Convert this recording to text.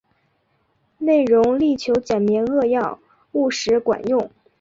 内容力求简明扼要、务实管用